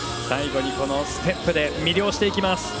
最後にステップで魅了していきます。